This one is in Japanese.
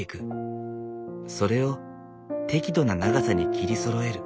それを適度な長さに切りそろえる。